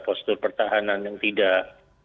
postur pertahanan yang tidak